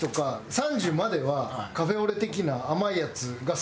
３０まではカフェオレ的な甘いやつが好きやったの。